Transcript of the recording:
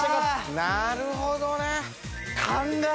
なるほどね！